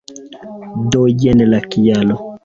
Do jen la kialo!